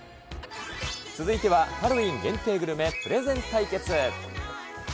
続いてはハロウィーン限定グルメプレゼン対決。